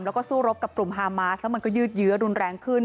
แล้วก็สู้รบกับกลุ่มฮามาสแล้วมันก็ยืดเยื้อรุนแรงขึ้น